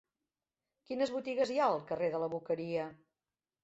Quines botigues hi ha al carrer de la Boqueria?